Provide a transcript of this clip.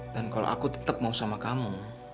dan kalo aku mau tetep sama kamu